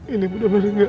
ini udah bener bener